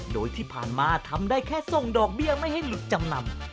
โดยที่ผ่านมาทำได้แค่ส่งดอกเบี้ยไม่ให้หลุดจำนำ